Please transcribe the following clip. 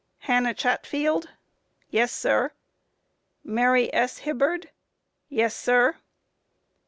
Q. Hannah Chatfield? A. Yes, sir. Q. Mary S. Hibbard? A. Yes, sir.